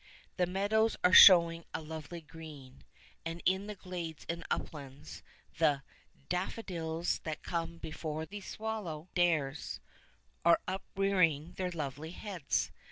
The meadows are showing a lovely green, and in the glades and uplands the "Daffodils That come before the swallow dares," are uprearing their lovely heads.